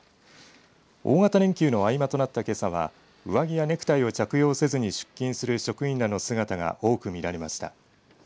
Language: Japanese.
大型連休の合間となったけさは上着やネクタイを着用せずに出勤する職員らの姿が多く見られました。